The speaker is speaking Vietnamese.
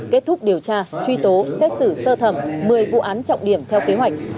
kết thúc điều tra truy tố xét xử sơ thẩm một mươi vụ án trọng điểm theo kế hoạch